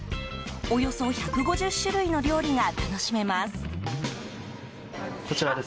およそ１５０種類の料理が楽しめます。